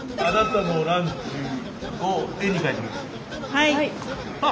はい。